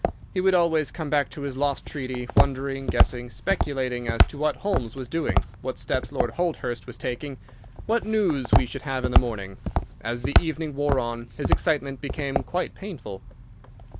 He would always come back to his lost treaty, wondering, guessing, speculating, as to what Holmes was doing, what steps Lord Holdhurst was taking, what news we should have in the morning. As the evening wore on his excitement became quite painful.